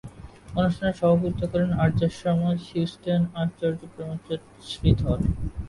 অনুষ্ঠানে সভাপতিত্ব করেন আর্য সমাজ হিউস্টনের আচার্য প্রেমচাঁদ শ্রীধর।